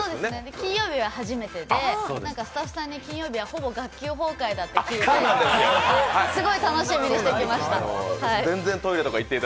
金曜日は初めてでスタッフさんに金曜日はほぼ学級崩壊だって聞いて、すごい楽しみにして来ました。